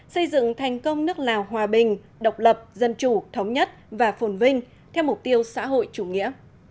xây dựng thành công nước lào hòa bình độc lập dân chủ thống nhất và phồn vinh theo mục tiêu xã hội chủ nghĩa